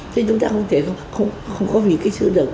thế chúng ta không có vì cái xưa nào